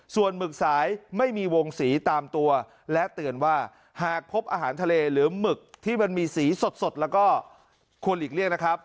ส่วนหมึกสายไม่มีวงสีตามตัวและเตือนว่าหากพบอาหารทะเลหรือหมึกที่มันมีสีสดแล้วก็ควรหลีกเลี่ยงนะครับ